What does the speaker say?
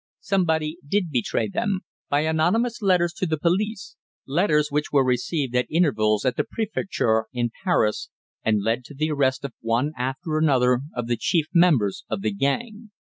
"Somebody did betray them by anonymous letters to the police letters which were received at intervals at the Préfecture in Paris, and led to the arrest of one after another of the chief members of the gang.